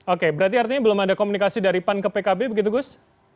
oke berarti artinya belum ada komunikasi dari pan ke pkb begitu gus